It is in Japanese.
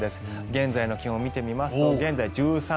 現在の気温を見てみますと現在１３．５度。